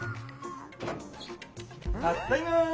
たっだいま！